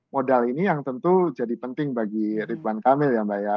modal ini yang tentu jadi penting bagi ridwan kamil ya mbak ya